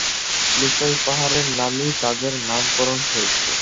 লুসাই পাহাড়ের নামেই তাদের নামকরণ হয়েছে।